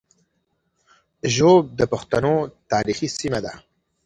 ږوب د پښتنو تاریخي سیمه ده